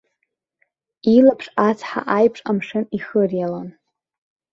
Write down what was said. Илаԥш ацҳа аиԥш амшын ихыриалан.